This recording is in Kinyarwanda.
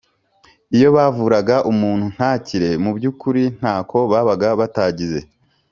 iyo bavuraga umuntu ntakire Mu by ukuri ntako babaga batagize